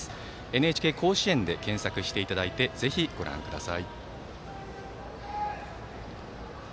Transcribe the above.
「ＮＨＫ甲子園」で検索していただいてぜひご覧ください。